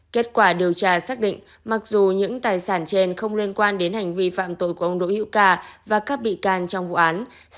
kết quả điều tra xác định mặc dù những tài sản trên không liên quan đến hành vi phạm tội của ông đỗ hữu ca và các bị can trong vụ án